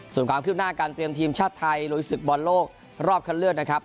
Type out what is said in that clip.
ส่วนความคืบหน้าการเตรียมทีมชาติไทยลุยศึกบอลโลกรอบคันเลือกนะครับ